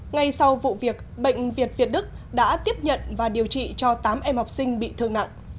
ngay sau vụ việc bệnh viện việt đức đã tiếp nhận và điều trị cho tám em học sinh bị thương nặng